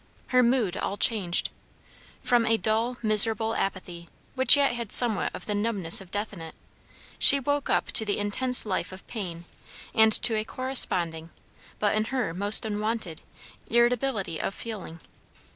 Her mood all changed. From a dull, miserable apathy, which yet had somewhat of the numbness of death in it, she woke up to the intense life of pain, and to a corresponding, but in her most unwonted, irritability of feeling.